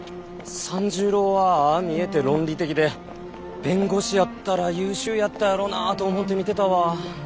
三十郎はああ見えて論理的で弁護士やったら優秀やったやろなあと思うて見てたわ。